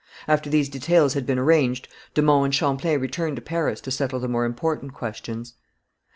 After these details had been arranged de Monts and Champlain returned to Paris to settle the more important questions.